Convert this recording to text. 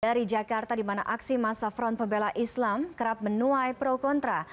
dari jakarta di mana aksi masa front pembela islam kerap menuai pro kontra